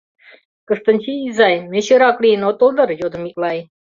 — Кыстинчи изай, мӧчӧрак лийын отыл дыр? — йодо Миклай.